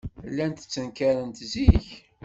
Llant ttenkarent zik.